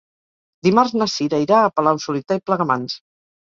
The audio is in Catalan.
Dimarts na Cira irà a Palau-solità i Plegamans.